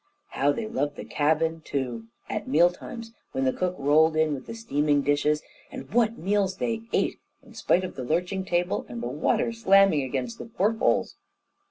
How they loved the cabin, too, at meal times, when the cook rolled in with the steaming dishes, and what meals they ate, in spite of the lurching table and the water slamming against the port holes!